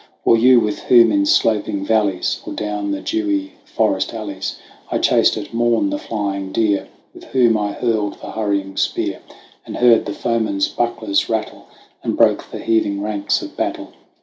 you, with whom in sloping valleys, Or down the dewy forest alleys, 1 chased at morn the flying deer, With whom I hurled the hurrying spear, And heard the foemen's bucklers rattle, And broke the heaving ranks of battle